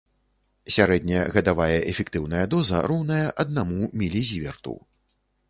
Сярэдняя гадавая эфектыўная доза роўная аднаму мілізіверту.